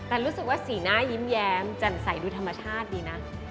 แต่รู้สึกว่าสีหน้ายิ้มแย้มแจ่มใสดูธรรมชาติดีนะ